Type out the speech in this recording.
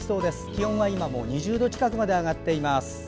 気温は今も２０度近くまで上がっています。